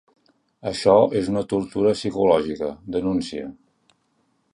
Això és una tortura psicològica, denuncia.